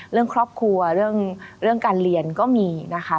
เรื่องครอบครัวเรื่องการเรียนก็มีนะคะ